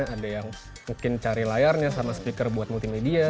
ada yang mungkin cari layarnya sama speaker buat multimedia